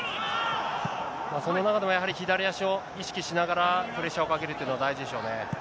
その中でも、やはり左足を意識しながら、プレッシャーをかけるというのは大事でしょうね。